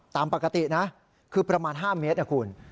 ตามปกตินะคือประมาณ๕เมตรนะคุณ